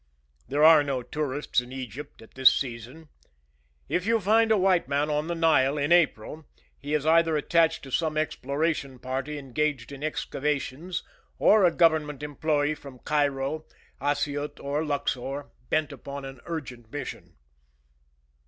There were no tourists in Egypt at this season. If you find a white man on the Nile in April, he is either attached to some exploration party engaged in excavations or a government employee from Cairo, Assyut or Luxor, bent upon an urgent mission.